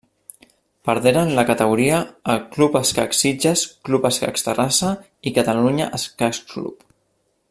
Perderen la categoria el Club Escacs Sitges, Club Escacs Terrassa i Catalunya Escacs Club.